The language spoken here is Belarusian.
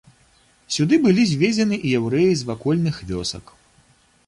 Сюды былі звезены і яўрэі з вакольных вёсак.